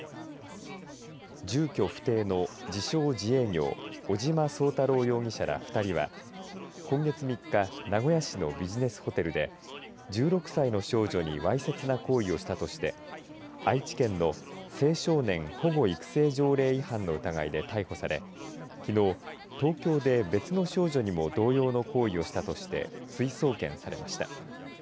住居不定の自称、自営業尾島壮太郎容疑者ら２人は今月３日、名古屋市のビジネスホテルで１６歳の少女にわいせつな行為をしたとして愛知県の青少年保護育成条例違反の疑いで逮捕され、きのう東京で別の少女にも同様の行為をしたとして追送検されました。